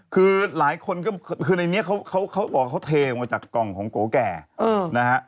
คือหลายคนก็คือในนี้เค้าบอกเค้าเทมาจากกล่องของก๋แก่นะฮะ